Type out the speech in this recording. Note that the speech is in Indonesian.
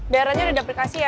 daerahnya udah aplikasi ya